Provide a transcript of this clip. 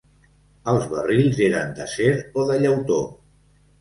Els barrils eren d'acer o de llautó.